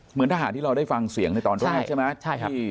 เหมือนทหารที่เราได้ฟังเสียงในตอนแรกใช่ไหมใช่ครับ